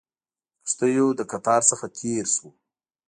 د کښتیو له قطار څخه تېر شوو.